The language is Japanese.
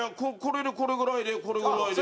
これぐらいで、これぐらいで。